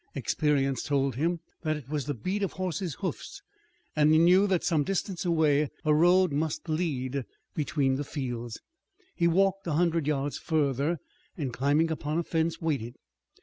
Experience told him that it was the beat of a horse's hoofs and he knew that some distance away a road must lead between the fields. He walked a hundred yards further, and climbing upon a fence waited.